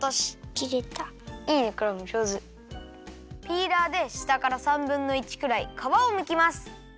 ピーラーでしたから３ぶんの１くらいかわをむきます。